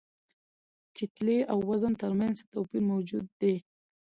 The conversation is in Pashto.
کتلې او وزن تر منځ څه توپیر موجود دی؟